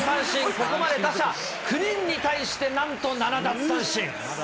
ここまで打者９人に対して、なんと７奪三振。